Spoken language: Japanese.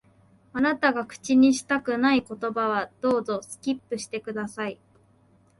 あなたが口にしたくない言葉は、どうぞ、スキップして下さい。